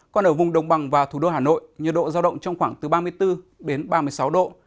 còn ở vùng đồng bằng và thủ đô hà nội nhiệt độ giao động trong khoảng từ ba mươi bốn đến ba mươi sáu độ